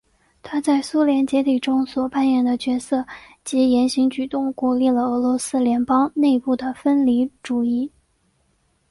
他在苏联解体中所扮演的角色及言行举动鼓励了俄罗斯联邦内部的分离主义。